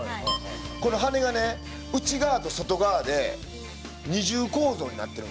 この羽根がね内側と外側で二重構造になってるんですよ。